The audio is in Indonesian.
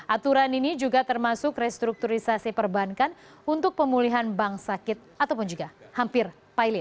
aturan ini juga termasuk restrukturisasi perbankan untuk pemulihan bank sakit ataupun juga hampir pilot